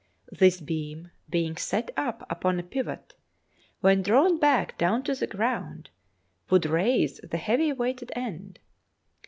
This beam being set up upon a pivot, when drawn back down to the ground would raise the heavy weighted end.